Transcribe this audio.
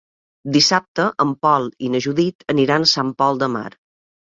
Dissabte en Pol i na Judit aniran a Sant Pol de Mar.